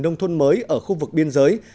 nông thôn mới ở khu vực biên giới